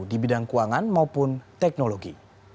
di bidang keuangan maupun teknologi